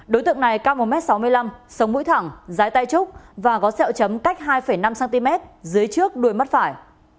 đối tượng này cao một m sáu mươi năm sống mũi thẳng dài tay trúc và có xẹo chấm cách hai năm cm dưới trước đuôi mắt phải